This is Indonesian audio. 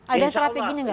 ada strateginya nggak